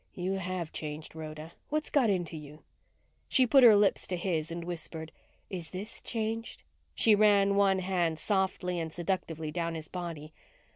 "You have changed, Rhoda. What's got into you?" She put her lips to his and whispered, "Is this changed?" She ran one hand softly and seductively down his body.